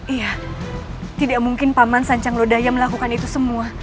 iya tidak mungkin paman sancang lodaya melakukan itu semua